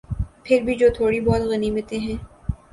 پھر بھی جو تھوڑی بہت غنیمتیں ہیں۔